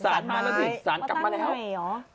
ศาลมาแล้วสิศาลกลับมาแล้วศาลแล้วมาตั้งหน่วยหรือ